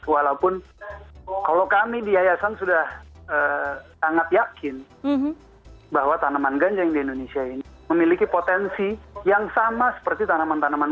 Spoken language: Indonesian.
walaupun kalau kami di yayasan sudah sangat yakin bahwa tanaman ganja yang di indonesia ini memiliki potensi yang sama seperti tanaman tanaman